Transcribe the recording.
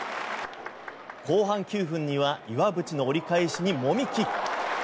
後半９分には岩渕の折り返しに籾木。